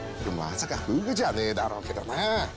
まさかフグじゃねえだろうけどな。